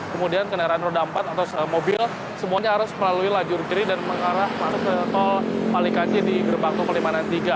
kemudian kendaraan roda empat atau mobil semuanya harus melalui lajur kiri dan mengarah masuk ke tol palikanci di gerbang tol palimanan tiga